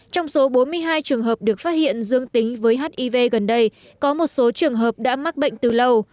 trong số bốn mươi hai trường hợp được phát hiện dương tính với hiv gần đây có một số trường hợp đã mắc bệnh từ lâu